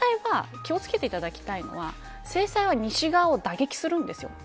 気を付けていただきたいのは制裁は、西側を打撃するんです。